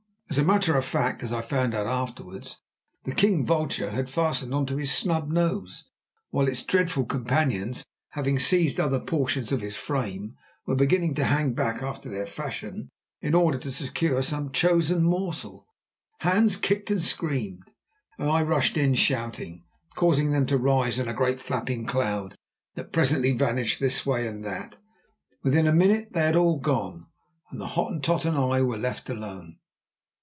As a matter of fact, as I found afterwards, the king vulture had fastened on to his snub nose, whilst its dreadful companions, having seized other portions of his frame, were beginning to hang back after their fashion in order to secure some chosen morsel. Hans kicked and screamed, and I rushed in shouting, causing them to rise in a great, flapping cloud that presently vanished this way and that. Within a minute they had all gone, and the Hottentot and I were left alone.